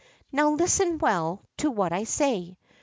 Now, listen well to what I say.